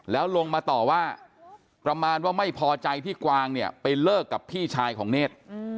แล้วลงมาต่อว่าประมาณว่าไม่พอใจที่กวางเนี่ยไปเลิกกับพี่ชายของเนธ